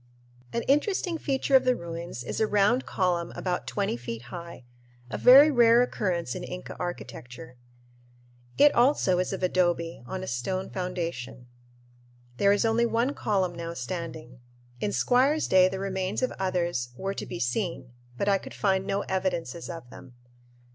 An interesting feature of the ruins is a round column about twenty feet high a very rare occurrence in Inca architecture. It also is of adobe, on a stone foundation. There is only one column now standing. In Squier's day the remains of others were to be seen, but I could find no evidences of them.